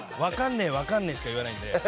分かんねえしか言わないので。